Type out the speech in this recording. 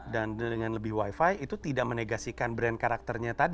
dan dengan lebih wifi itu tidak menegasikan brand karakternya tadi